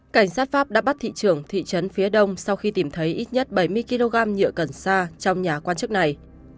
cảnh sát pháp đã bắt thị trường thị trấn phía đông sau khi tìm thấy ít nhất bảy mươi kg nhựa cần xa trong nhà quan chức này